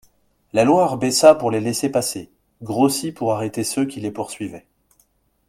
La Loire baissa pour les laisser passer, grossit pour arrêter ceux qui les poursuivaient.